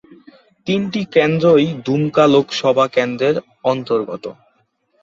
তিনটি কেন্দ্রই দুমকা লোকসভা কেন্দ্রের অন্তর্গত।